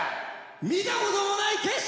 「見たこともない景色」！